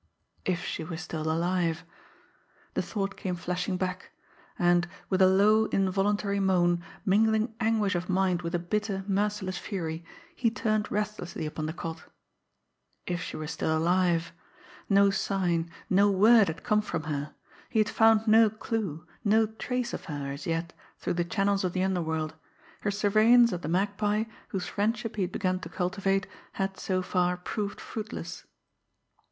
If she were still alive! The thought came flashing back; and with a low, involuntary moan, mingling anguish of mind with a bitter, merciless fury, he turned restlessly upon the cot. If she were still alive! No sign, no word had come from her; he had found no clue, no trace of her as yet through the channels of the underworld; his surveillance of the Magpie, whose friendship he had begun to cultivate, had, so far, proved fruitless.